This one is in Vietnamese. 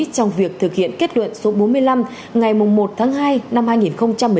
trong việc thực hiện kết luận số bốn mươi năm ngày một tháng hai năm hai nghìn một mươi chín